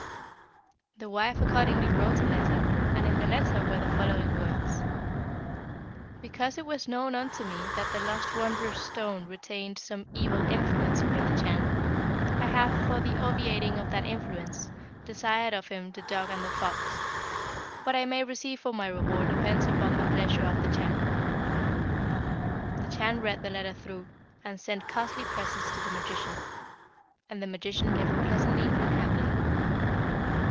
"The wife accordingly wrote a letter, and in the letter were the following words: 'Because it was known unto me that the lost wondrous stone retained some evil influence over the Chan, I have, for the obviating of that influence, desired of him the dog and the fox. What I may receive for my reward depends upon the pleasure of the Chan.' "The Chan read the letter through, and sent costly presents to the magician. And the magician lived pleasantly and happily.